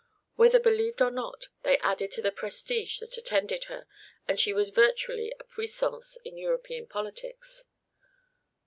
Whether believed or not, they added to the prestige that attended her, and she was virtually a "puissance" in European politics.